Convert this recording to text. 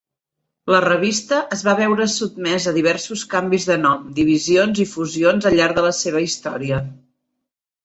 La revista es va veure sotmesa a diversos canvis de nom, divisions i fusions al llarg de la seva història.